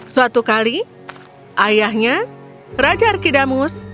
suatu kali ayahnya raja arkidamus